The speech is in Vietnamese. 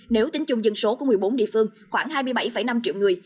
nếu tính chung dân số của một mươi bốn địa phương khoảng hai mươi bảy năm triệu người